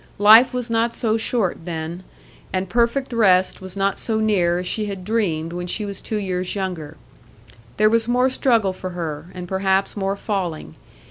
Life was not so short, then, and perfect rest was not so near as she had dreamed when she was two years younger. There was more struggle for her, and perhaps more falling.